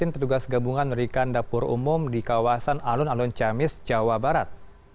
petugas gabungan memberikan dapur umum di kawasan alun alun ciamis jawa barat